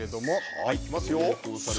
はいいきますよそれ！